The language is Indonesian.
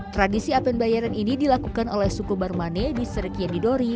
tradisi apen bayeren ini dilakukan oleh suku barmane di serikianidori